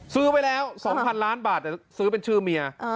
ซื้อไปแล้ว๒๐๐ล้านบาทแต่ซื้อเป็นชื่อเมีย